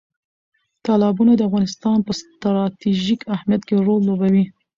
تالابونه د افغانستان په ستراتیژیک اهمیت کې رول لوبوي.